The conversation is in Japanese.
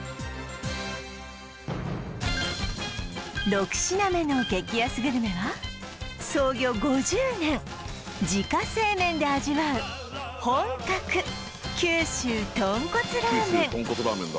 ６品目の激安グルメは創業５０年自家製麺で味わう本格・九州豚骨ラーメン豚骨ラーメンだ